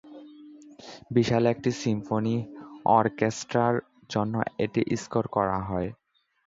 বিশাল একটি সিম্ফনি অর্কেস্ট্রার জন্য এটি স্কোর করা হয়।